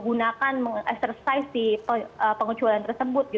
itu agak kering dan agak agak kecewa untuk yang menggunakan mengekserses si pengecualian tersebut